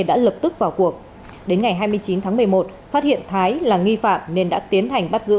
đã lập tức vào cuộc đến ngày hai mươi chín tháng một mươi một phát hiện thái là nghi phạm nên đã tiến hành bắt giữ